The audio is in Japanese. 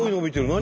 何？